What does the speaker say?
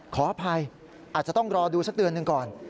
ขออภัยอาจจะต้องรอดูสักเดือนหนึ่งก่อน